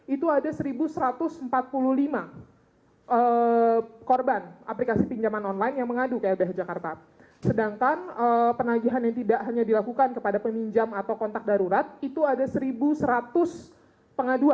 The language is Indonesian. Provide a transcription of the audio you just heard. itu ada satu satu ratus empat puluh lima korban aplikasi pinjaman online yang mengadu